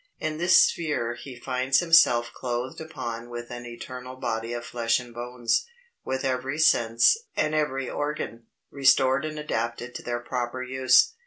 In this sphere he finds himself clothed upon with an eternal body of flesh and bones, with every sense, and every organ, restored and adapted to their proper use.